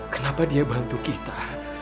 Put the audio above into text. kenapa dia bantu kita